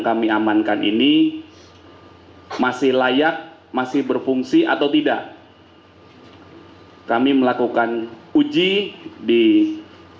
kita mengasihkan kepada dan meneri j substance dia